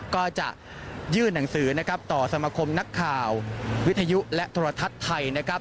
ก็จะยื่นหนังสือต่อสมคมนักข่าววิทยุและธรรทัศน์ไทย